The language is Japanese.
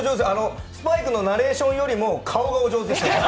スパイクのナレーションよりも顔がお上手ですよ。